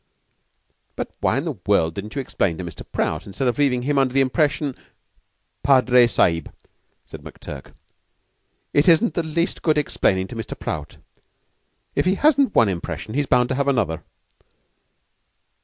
"But why in the world didn't you explain to Mr. Prout, instead of leaving him under the impression ?" "Padre Sahib," said McTurk, "it isn't the least good explainin' to Mr. Prout. If he hasn't one impression, he's bound to have another."